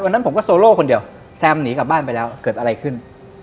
นั้นผมก็โซโล่คนเดียวแซมหนีกลับบ้านไปแล้วเกิดอะไรขึ้น